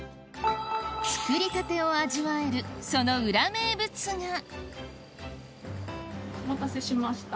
作りたてを味わえるその裏名物がお待たせしました。